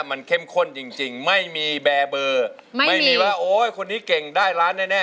มันเข้มข้นจริงไม่มีแบร์เบอร์ไม่มีว่าโอ๊ยคนนี้เก่งได้ล้านแน่